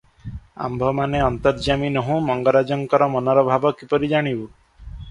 ଆମ୍ଭମାନେ ଅନ୍ତର୍ଯ୍ୟାମୀ ନୋହୁ, ମଙ୍ଗରାଜଙ୍କର ମନର ଭାବ କିପରି ଜାଣିବୁ?